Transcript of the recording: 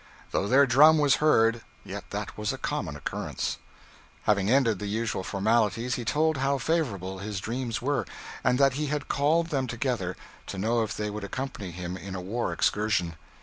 Though their drum was heard, yet that was a common occurrence. Having ended the usual formalities, he told how favorable his dreams were, and that he had called them together to know if they would accompany him in a war excursion.